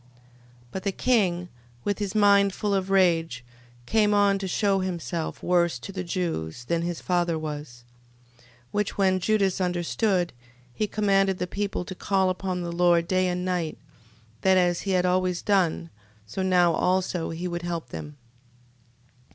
13:9. But the king, with his mind full of rage, came on to shew himself worse to the Jews than his father was. 13:10. Which when Judas understood, he commanded the people to call upon the Lord day and night, that as he had always done, so now also he would help them: 13:11.